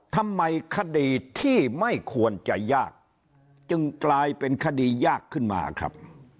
ทำไมคดีที่ไม่ควรจะยากจึงกลายเป็นคดียากขึ้นมาครับ